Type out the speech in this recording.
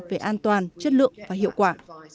về an toàn chất lượng và hiệu quả